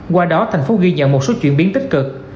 qua đó thành phố ghi nhận một số chuyển biến tích cực